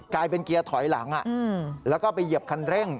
กลายเป็นเกียร์ถอยหลังแล้วก็ไปเหยียบคันเร่ง